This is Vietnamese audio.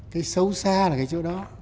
cái sâu xa là cái chỗ đó